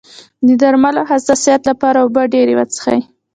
د درملو د حساسیت لپاره اوبه ډیرې وڅښئ